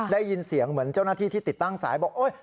ได้ยินเสียงเหมือนเจ้าหน้าที่ที่ติดตั้งสายบอกโอ๊ย